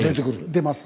出ます。